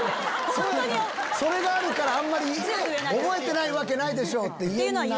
それがあるからあんまり「覚えてないわけないでしょ！」って言えないのか。